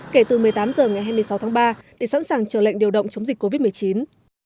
kể từ một mươi tám h ngày hai mươi sáu tháng ba để sẵn sàng chờ lệnh điều động chống dịch covid một mươi chín